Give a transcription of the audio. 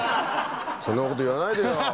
そんなこと言わないでよ。